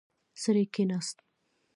سړی کېناست.